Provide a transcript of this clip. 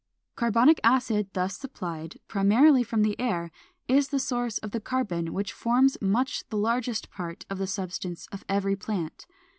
Carbonic acid thus supplied, primarily from the air, is the source of the carbon which forms much the largest part of the substance of every plant.